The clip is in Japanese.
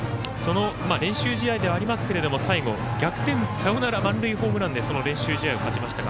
練習試合ではありますけど最後逆転サヨナラ満塁ホームランを打ってその練習試合を勝ちましたが。